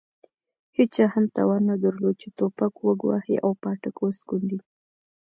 هېچا هم توان نه درلود چې توپک وګواښي او پاټک وسکونډي.